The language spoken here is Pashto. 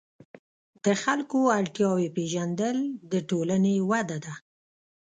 د خلکو اړتیاوې پېژندل د ټولنې وده ده.